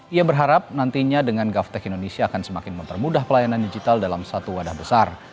ia berharap nantinya dengan gaftech indonesia akan semakin mempermudah pelayanan digital dalam satu wadah besar